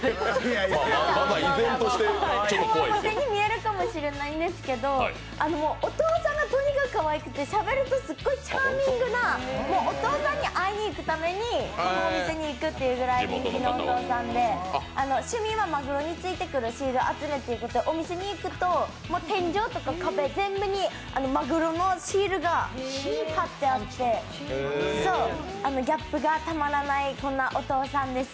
コワモテに見えるかもしれないんですけどお父さんがとにかくかわいくて、しゃべるとすっごいチャーミングな、お父さんに会いにいくためにこのお店に行くというぐらい人気のお父さんで趣味はマグロについてくるシール集めということで、お店に行くと、天井とか壁全面にマグロのシールが貼ってあってギャップがたまらない、そんなお父さんです。